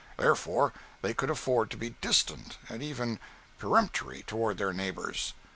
Therefore they could afford to be distant, and even peremptory toward their neighbors.